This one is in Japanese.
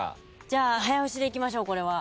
じゃあ早押しでいきましょうこれは。